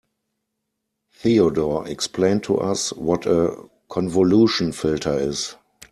Theodore explained to us what a convolution filter is.